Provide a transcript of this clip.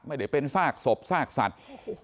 ไม่ได้เป็นซากศพซากสัตว์